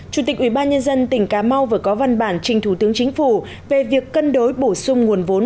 chủ tịch ubnd tỉnh cà mau vừa có văn bản trình thủ tướng chính phủ về việc cân đối bổ sung nguồn vốn